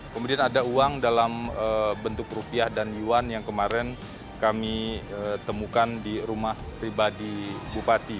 kemudian ada uang dalam bentuk rupiah dan yuan yang kemarin kami temukan di rumah pribadi bupati